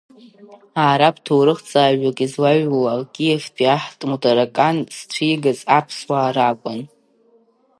Араб ҭоурыхҩҩык излаиҩуала, Киевтәи аҳ Тмутаракан зцәигаз аԥсуаа ракәын.